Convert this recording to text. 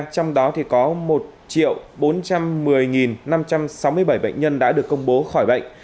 trong đó có một bốn trăm một mươi năm trăm sáu mươi bảy bệnh nhân đã được công bố khỏi bệnh